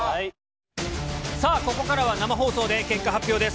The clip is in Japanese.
さあ、ここからは生放送で結果発表です。